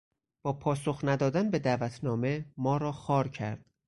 با پاسخ ندادن به دعوتنامه ما را خوار کرد.